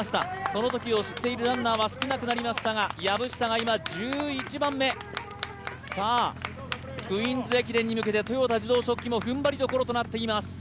そのときを知っているランナーは少なくなりましたが、籔下が今１１番目、クイーンズ駅伝に向けて豊田自動織機も踏ん張りどころとなっています。